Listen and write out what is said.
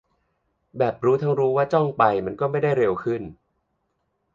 แบบรู้ทั้งรู้ว่าจ้องไปมันก็ไม่ได้เร็วขึ้น